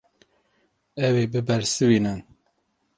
Ew ê bibersivînin.